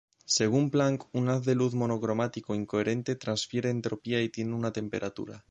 Según Planck, un haz de luz monocromático incoherente transfiere entropía y tiene una temperatura.